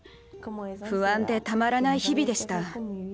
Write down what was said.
不安でたまらない日々でした。